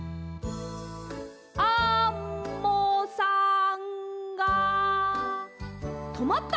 アンモさんがとまった！